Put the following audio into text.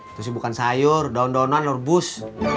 itu sih bukan sayur daun daunan lorbus